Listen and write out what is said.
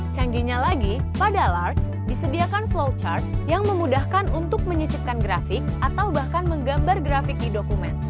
canggihnya lagi pada lark disediakan flow chart yang memudahkan untuk menyisipkan grafik atau bahkan menggambar grafik di dokumen